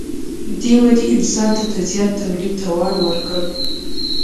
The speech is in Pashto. دې ودې انسان ته د زیات تولید توان ورکړ.